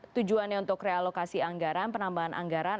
tujuannya untuk realokasi anggaran penambahan anggaran